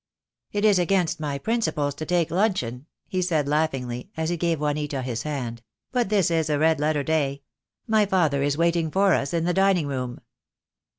"It is against my principles to take luncheon," he said laughingly, as he gave Juanita his hand, "but this is a red letter day. My father is waiting for us in the dining room."